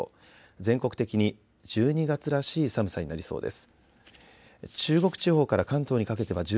全国的に１２月らしい寒さになりそうです。